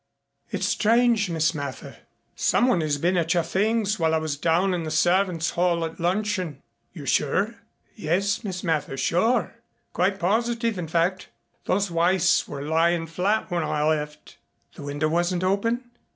"It's strange, Miss Mather. Someone has been at your things while I was down in the servants' hall at luncheon." "You're sure?" "Yes, Miss Mather, sure. Quite positive, in fact. Those waists were lying flat when I left." "The window wasn't open?"